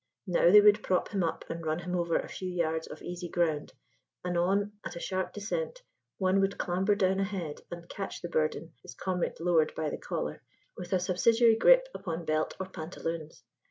Now they would prop him up and run him over a few yards of easy ground: anon, at a sharp descent, one would clamber down ahead and catch the burden his comrade lowered by the collar, with a subsidiary grip upon belt or pantaloons.